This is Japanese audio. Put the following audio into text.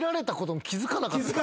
気付かなかった。